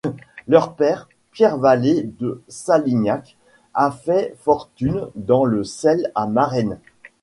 Leur père, Pierre Vallet de Salignac, a fait fortune dans le sel à Marennes.